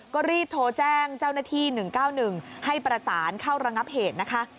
ก็รีบโทรแจ้งเจ้าหน้าที่๑๙๑ให้ประสานเข้าระงับเหตุนะคะ